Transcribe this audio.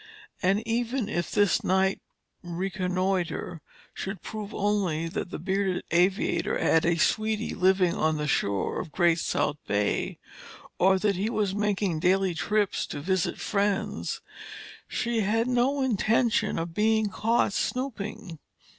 And even if this night reconnoiter should prove only that the bearded aviator had a sweetie living on the shore of Great South Bay, or that he was making daily trips to visit friends, she had no intention of being caught snooping.